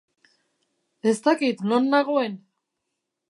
Ez dakit non nagoen.